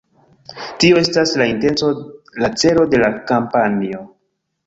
Tio estas la intenco, la celo de la kampanjo.